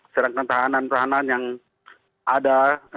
sedangkan tahanan tahanan yang ada